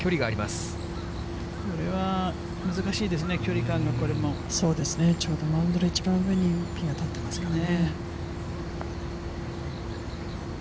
これは難しいですね、そうですね、ちょうどラウンドの一番上にピンが立ってますね。